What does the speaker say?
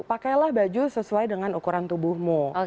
pakailah baju sesuai dengan ukuran tubuhmu